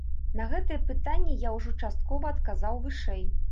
На гэтае пытанне я ўжо часткова адказаў вышэй.